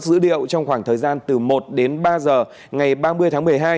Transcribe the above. các giữ điệu trong khoảng thời gian từ một đến ba giờ ngày ba mươi tháng một mươi hai